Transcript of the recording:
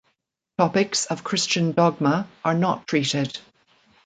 Topics of Christian dogma are not treated.